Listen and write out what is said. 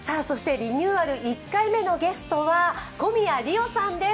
リニューアル１回目のゲストは小宮璃央さんです。